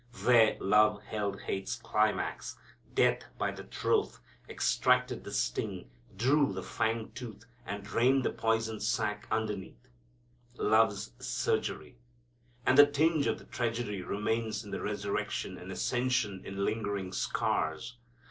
There love held hate's climax, death, by the throat, extracted the sting, drew the fang tooth, and drained the poison sac underneath. Love's surgery. And the tinge of the tragedy remains in the Resurrection and Ascension in lingering scars.